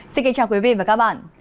xin kính chào quý vị và các bạn